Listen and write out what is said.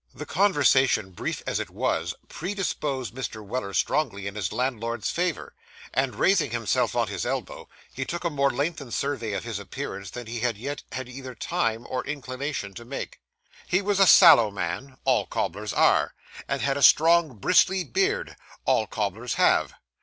The conversation, brief as it was, predisposed Mr. Weller strongly in his landlord's favour; and, raising himself on his elbow, he took a more lengthened survey of his appearance than he had yet had either time or inclination to make. He was a sallow man all cobblers are; and had a strong bristly beard all cobblers have.